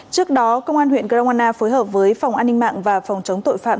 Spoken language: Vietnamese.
trước đó công an huyện grongana phối hợp với phòng an ninh mạng và phòng chống tội phạm